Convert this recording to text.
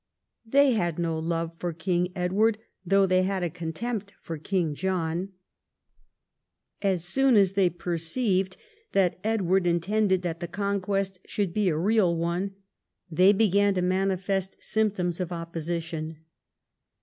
They had no love for King Edward, though they had a contempt for King John. As soon as they perceived that Edward intended that the conquest should be a real one, they began to manifest symptoms of opposition.